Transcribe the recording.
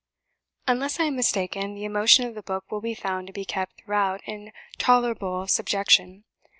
"Unless I am mistaken, the emotion of the book will be found to be kept throughout in tolerable subjection.